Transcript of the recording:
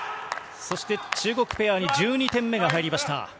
中国ペアに１２点目が入りました。